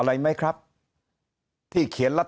เพราะสุดท้ายก็นำไปสู่การยุบสภา